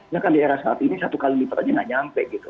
ya kan di era saat ini satu kali lipat aja nggak nyampe gitu